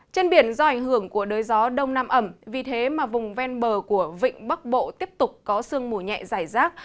trên biển do ảnh hưởng của đới gió đông nam ẩm vì thế mà vùng ven bờ của vịnh bắc bộ tiếp tục có sương mù nhẹ dài rác